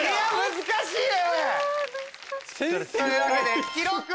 難しいね。